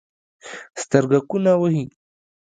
سترګکونه وهي